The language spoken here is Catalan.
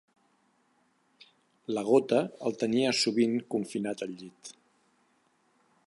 La gota el tenia sovint confinat al llit.